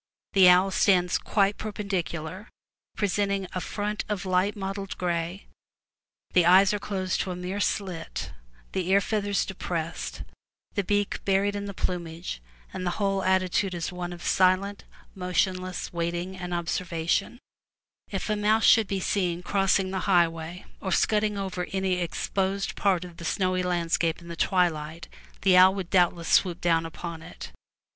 The owl stands quite perpendicular, presenting a front of light mottled gray; the eyes are closed to a mere slit, the ear feathers depressed, ^,.3,^1 ^^^^^^^ buried in the plumage, and the whole | ylgSMUl ^^^^^^^^^^^^^^^ silent, motionless waiting and ob ]\ wjj^^^m servation. If a mouse should be seen crossing the Ifl^^^l^ highway, or scudding over any exposed part of rfn^^mM the snowy surface in the twilight, the owl would 'Mf^/M doubtless swoop down uponit.